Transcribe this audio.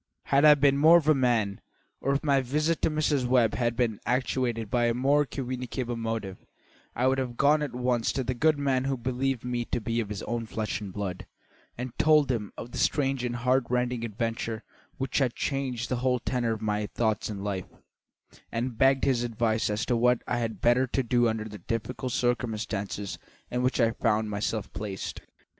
Had I been more of a man, or if my visit to Mrs. Webb had been actuated by a more communicable motive, I would have gone at once to the good man who believed me to be of his own flesh and blood, and told him of the strange and heart rending adventure which had changed the whole tenor of my thoughts and life, and begged his advice as to what I had better do under the difficult circumstances in which I found myself placed.